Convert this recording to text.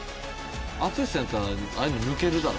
淳さんやったらああいうの抜けるだろ。